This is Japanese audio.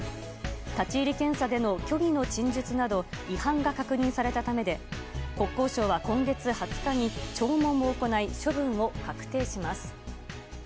立ち入り検査での虚偽の陳述など違反が確認されたためで国交省は今月２０日に聴聞を行い処分を確定します。